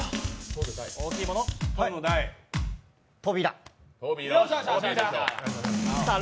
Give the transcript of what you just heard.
扉。